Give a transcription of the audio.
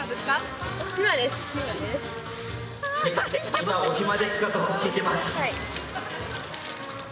「今お暇ですか？」と聞いてます。